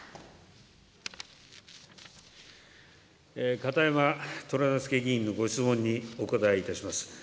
片山虎之助議員のご質問にお答えいたします。